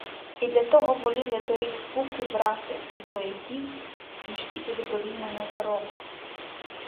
І для того воліли торік буки брати від вояків, ніж іти добровільно на заробок.